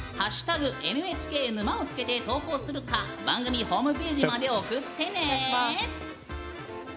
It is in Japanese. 「＃ＮＨＫ沼」をつけて投稿するか番組ホームページまで送ってね！